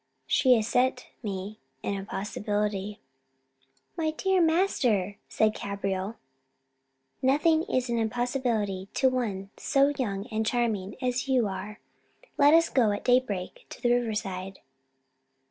She has set me an impossibility." "My dear master," said Cabriole, "nothing is an impossibility to one so young and charming as you are: let us go at daybreak to the river side."